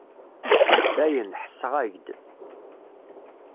Dayen, ḥesseɣ-ak-d.